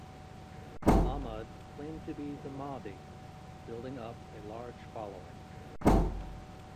Ahmad claimed to be the Mahdi, building up a large following.